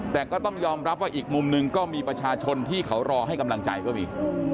แต่ก็ต้องยอมรับว่าอีกมุมหนึ่งก็มีประชาชนที่เขารอให้กำลังใจก็มี